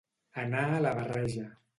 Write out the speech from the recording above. Anar a la barreja.